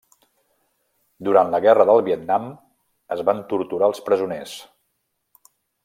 Durant la Guerra del Vietnam, es van torturar els presoners.